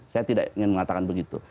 saya tidak ingin mengatakan begitu